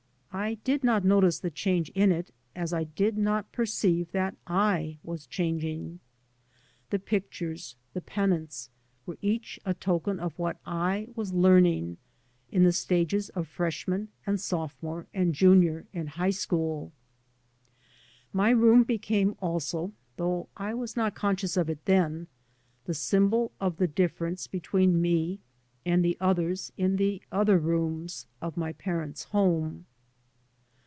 I did not notice the change in it, as I did not perceive that I was changing. The pictures, [lOO] 3 by Google MY MOTHER AND I the pennants, were each a token of what I was learning, in the stages of freshman, and sophomore, and junior, in high school. My room became also (though I was not con sdous of it then) the symbol of the difference between me and the others in the other rooms of my parents' home.